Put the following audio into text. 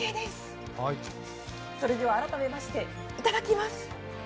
それでは改めまして、いただきます。